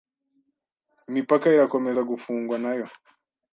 Imipaka irakomeza gufungwa nayo